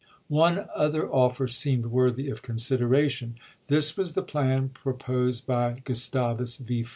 One other offer seemed worthy of consideration. This was the plan proposed by Gustavus V.